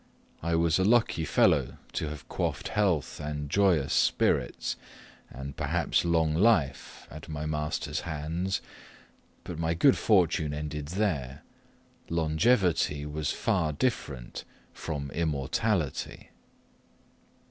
I was a lucky fellow to have quaffed health and joyous spirits, and perhaps long life, at my master's hands; but my good fortune ended there: longevity was far different from immortality.